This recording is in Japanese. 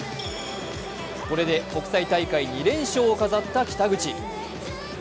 これで国際大会２連勝を飾った北口。